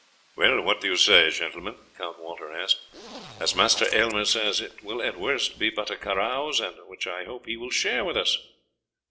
"Well, what do you say, gentlemen?" Count Walter asked. "As Master Aylmer says, it will at worst be but a carouse, which I hope he will share with us."